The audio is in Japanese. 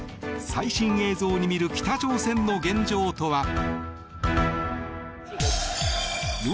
最新映像に見る北朝鮮の現状とは？